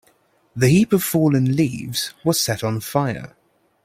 The heap of fallen leaves was set on fire.